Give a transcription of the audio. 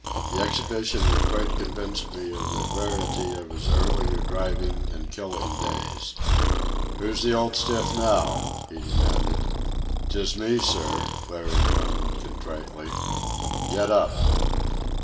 The exhibition had quite convinced me of the verity of his earlier driving and killing days. "Who's the old stiff now?" he demanded. "'Tis me, sir," Larry moaned contritely. "Get up!"